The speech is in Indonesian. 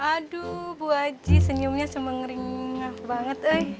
aduh bu aji senyumnya semengring banget